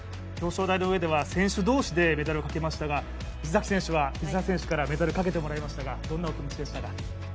表彰台の上では選手同士でメダルをかけましたが藤澤選手は石崎選手からメダルをかけてもらいましたがどんな気持ちでしたか？